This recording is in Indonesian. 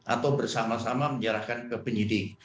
atau bersama sama menyerahkan ke penyidik